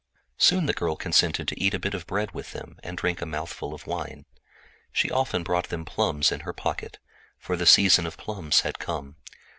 Soon the girl consented to eat a bit of bread with them and drink a mouthful of wine. She often brought them plums in her pocket, for the season of plums had come.